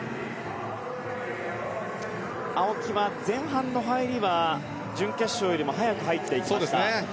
青木は前半の入りは準決勝よりも速く入っていきました。